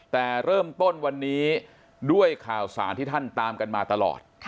แต่เริ่มต้นวันนี้ด้วยข่าวสารที่ท่านตามกันมาตลอด